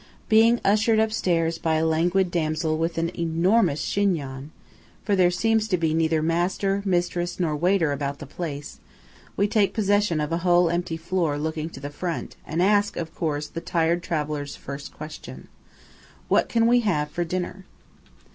Being ushered upstairs by a languid damsel with an enormous chignon (for there seems to be neither master, mistress, nor waiter about the place) we take possession of a whole empty floor looking to the front, and ask, of course, the tired travellers' first question, "What can we have for dinner?"